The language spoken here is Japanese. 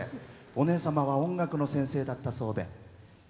お姉様は音楽の先生だったそうで。